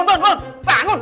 ya bangun bangun bangun